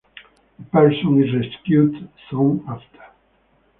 The person is rescued soon after.